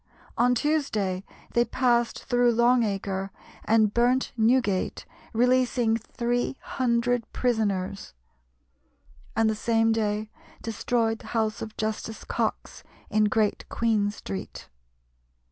On Tuesday they passed through Long Acre and burnt Newgate, releasing three hundred prisoners, and the same day destroyed the house of Justice Cox in Great Queen Street.